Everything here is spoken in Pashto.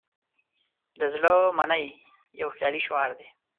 "د زړه منئ" یو خیالي شعار دی.